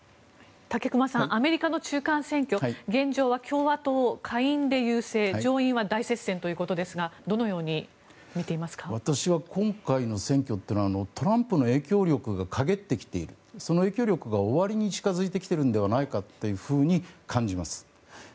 武隈さん、アメリカの中間選挙現状は共和党、下院で優勢上院は大接戦ということですが私は今回の選挙はトランプの影響力が陰ってきている影響力が終わりに近づいてると感じます。